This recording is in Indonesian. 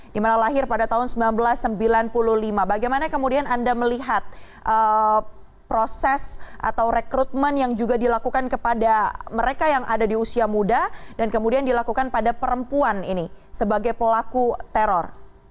dimana lahir pada tahun seribu sembilan ratus sembilan puluh lima bagaimana kemudian anda melihat proses atau rekrutmen yang juga dilakukan kepada mereka yang ada di usia muda dan kemudian dilakukan pada perempuan ini sebagai pelaku teror